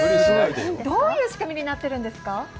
どういう仕組みになっているんですか？